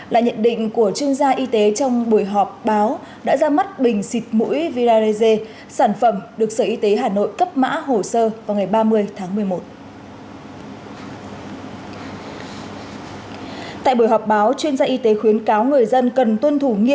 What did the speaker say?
là nhận định của chuyên gia y tế trong buổi họp báo đã ra mắt bình xịt mũi viralize